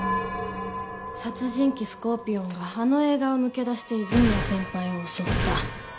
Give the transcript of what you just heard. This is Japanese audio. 殺人鬼スコーピオンがあの映画を抜け出して泉谷先輩を襲った。